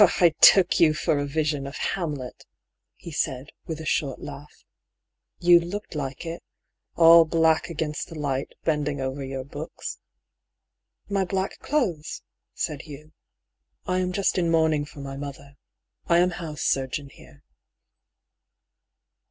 " I took you for a vision of ' Hamlet,' " he said, with a short laugh. " You looked like it — all black against the light, bending over your books." "My black clothes?" said Hugh. "I am just in mourning for my mother. I am house surgeon here."